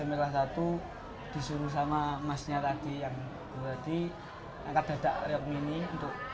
pakai dibuat kayak kayang kayang gitu